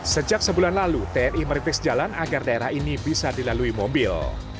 sejak sebulan lalu tni merintis jalan agar daerah ini bisa dilalui mobil